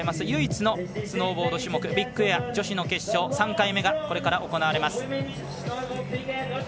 唯一のスノーボード種目ビッグエア、女子決勝の３回目がこれから行われます。